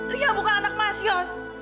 ria bukan anak mas yos